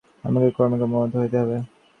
ক্রমে ক্রমে তাহাকে উন্নত হইতে হইবে।